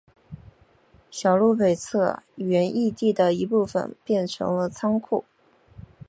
小路北侧原义地的一部分变成了仓库。